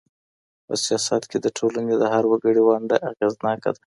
په سياست کي د ټولني د هر وګړي ونډه اغېزناکه ده.